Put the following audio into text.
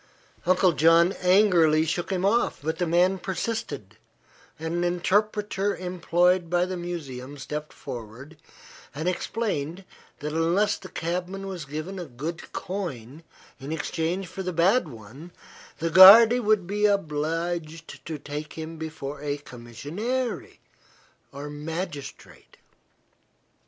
Uncle John angrily shook him off, but the man persisted, and an interpreter employed by the museum stepped forward and explained that unless the cabman was given a good coin in exchange for the bad one the guarde would be obliged to take him before a commissionaire, or magistrate.